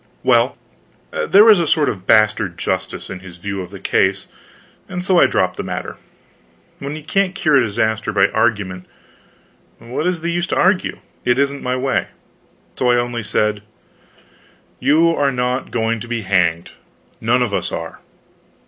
Well, there was a sort of bastard justice in his view of the case, and so I dropped the matter. When you can't cure a disaster by argument, what is the use to argue? It isn't my way. So I only said: "You're not going to be hanged. None of us are."